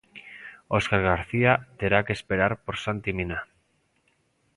Óscar García terá que esperar por Santi Mina.